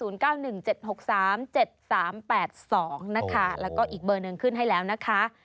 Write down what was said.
๐๙๑๗๖๓๗๓๘๒นะคะแล้วก็อีกเบอร์หนึ่งขึ้นให้แล้วนะคะ